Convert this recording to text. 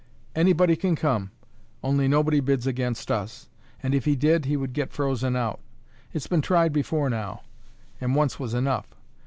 "Anybody can come, only nobody bids against us; and if he did, he would get frozen out. It's been tried before now, and once was enough.